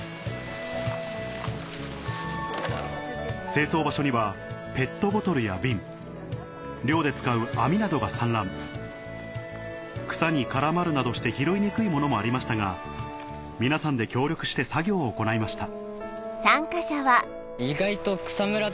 清掃場所にはペットボトルや瓶漁で使う網などが散乱草に絡まるなどして拾いにくいものもありましたが皆さんで協力して作業を行いました